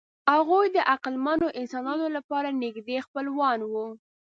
هغوی د عقلمنو انسانانو لپاره نږدې خپلوان وو.